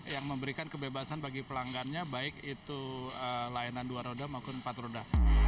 yang memberikan kebebasan bagi pelanggannya baik itu layanan dua roda maupun empat roda